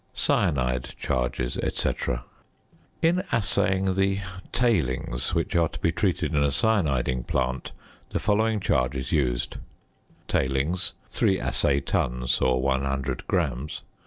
~Cyanide Charges, etc.~ In assaying the "tailings" which are to be treated in a cyaniding plant the following charge is used: Tailings 3 assay tons or 100 grams.